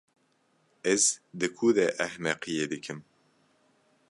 Ez di ku de ehmeqiyê dikim?